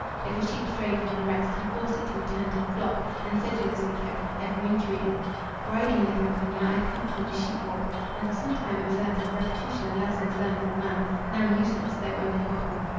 If a sheep strayed from the rest, he forced it to return to the flock, and sedulously kept off every intruder. Riding in the Campagna I had come upon his sheep walk, and for some time observed his repetition of lessons learned from man, now useless, though unforgotten.